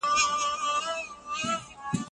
هغه د ساینس په څانګه کي ډېره تجربه لري.